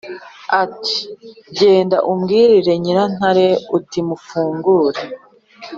ati: genda umbwirire nyirantare uti: mufungurire,